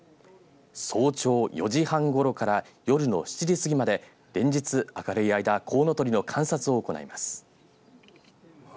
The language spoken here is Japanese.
早朝４時半ごろから夜の７時過ぎまで連日明るい間こうのとりの観察を行います。